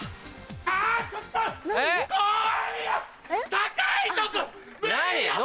高いとこ無理よ！